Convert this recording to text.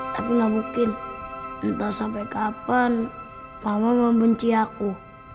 tapi nggak mungkin entah sampai kapan mama membenci aku